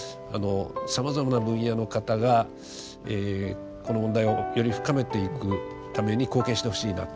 さまざまな分野の方がこの問題をより深めていくために貢献してほしいなと。